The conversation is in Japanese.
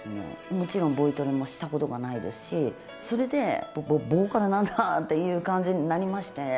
もちろんボイトレもしたことないですし、それでボーカルなんだっていう感じになりまして。